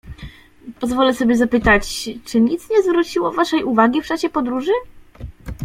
"Pozwolę sobie zapytać, czy nic nie zwróciło waszej uwagi w czasie podróży?"